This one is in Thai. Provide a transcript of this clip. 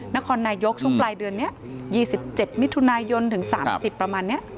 นครนายกช่วงปลายเดือนนี้๒๗มิถุนายนถึง๓๐ประมาณนี้